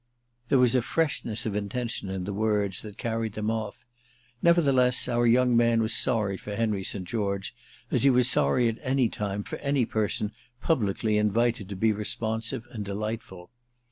There was a freshness of intention in the words that carried them off; nevertheless our young man was sorry for Henry St. George, as he was sorry at any time for any person publicly invited to be responsive and delightful.